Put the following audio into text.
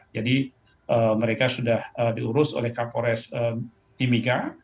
jadi mereka sudah diurus oleh kapolres timika